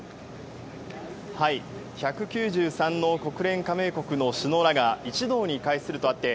１９３の国連加盟国の首脳らが一堂に会するとあって